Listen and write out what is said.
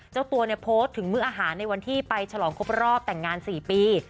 เจ้าตัวเนี่ยโพสต์ถึงมื้ออาหารในวันที่ไปฉลองครบรอบแต่งงาน๔ปี